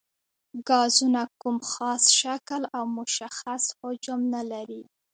ګازونه کوم خاص شکل او مشخص حجم نه لري.